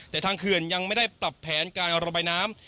แต่ทางเขื่อนยังไม่ได้ปรับแผนการระบายน้ำ